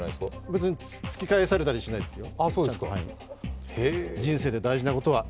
別に、突き返されたりしてないですよ。